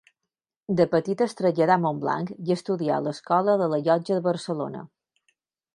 De petit es traslladà a Montblanc i estudià a l'Escola de la Llotja de Barcelona.